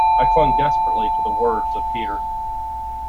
I clung desperately to the words of Peter.